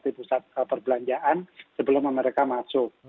tapi kita harus berhenti menggunakan perbelanjaan sebelum mereka masuk